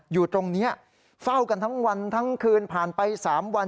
อยู่ตรงนี้เฝ้ากันทั้งวันทั้งคืนผ่านไป๓วัน